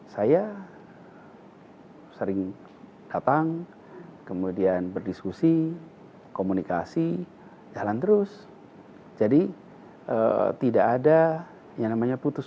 hai sering datang kemudian berdiskusi komunikasi jalan terus jadi tidak ada yang namanya putus